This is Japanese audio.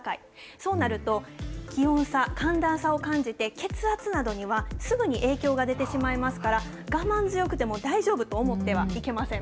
そうなると、気温差、寒暖差を感じて血圧などにはすぐに影響が出てしまいますから、我慢強くても大丈夫と思ってはいけません。